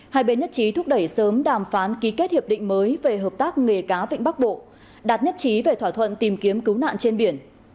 hai bên nhất trí thúc đẩy sớm đàm phán ký kết hiệp định mới về hợp tác nghề cá vịnh bắc bộ đạt nhất trí về thỏa thuận tìm kiếm cứu nạn trên biển